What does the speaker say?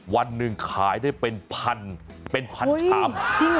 วันหนึ่งขายได้เป็นพันชาม